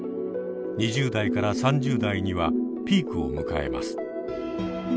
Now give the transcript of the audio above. ２０代から３０代にはピークを迎えます。